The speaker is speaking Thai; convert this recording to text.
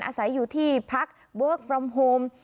อาศัยอยู่ที่พักเวิร์คฟรอมโฮม